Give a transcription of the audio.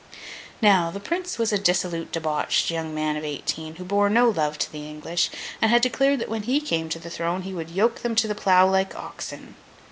Now, the Prince was a dissolute, debauched young man of eighteen, who bore no love to the English, and had declared that when he came to the throne he would yoke them to the plough like oxen.